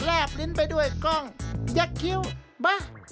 บลิ้นไปด้วยกล้องยักษ์คิ้วมา